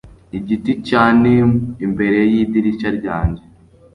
Igiti cya neem imbere yidirishya ryanjye